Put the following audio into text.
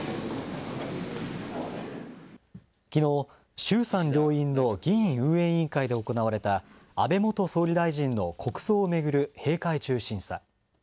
きのう、衆参両院の議院運営委員会で行われた安倍元総理大臣の国葬を巡る閉会中審査。